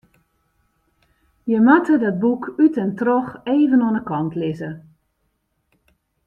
Je moatte dat boek út en troch even oan de kant lizze.